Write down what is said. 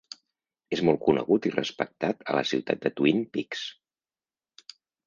És molt conegut i respectat a la ciutat de Twin Peaks.